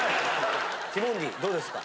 ティモンディどうですか？